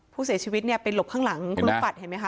ผู้เสียชีวิตเนี่ยไปหลบข้างหลังคุณลูกปัดเห็นไหมค